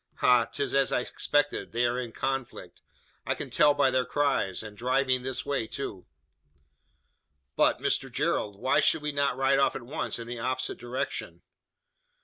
Ha! 'tis as I expected: they are in conflict. I can tell by their cries! And driving this way, too!" "But, Mr Gerald; why should we not ride off at once, in the opposite direction?"